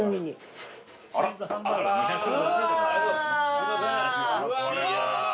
すいません。